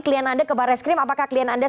klien anda ke barai skrim apakah klien anda